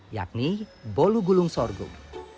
yakni bolu gulung sorghum